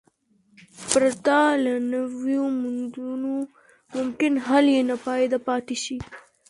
پرته له نویو موندنو ممکن حل یې ناپایده پاتې شي.